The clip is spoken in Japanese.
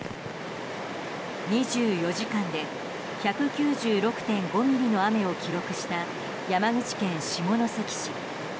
２４時間で１９６．５ミリの雨を記録した山口県下関市。